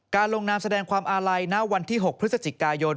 ลงนามแสดงความอาลัยณวันที่๖พฤศจิกายน